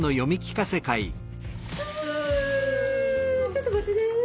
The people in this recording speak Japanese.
ちょっと待ってね。